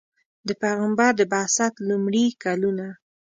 د پیغمبر د بعثت لومړي کلونه.